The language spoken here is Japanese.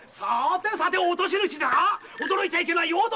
さて落とし主だが驚いちゃいけないよ。